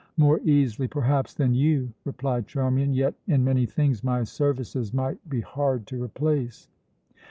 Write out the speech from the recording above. "More easily, perhaps, than you," replied Charmian; "yet in many things my services might be hard to replace."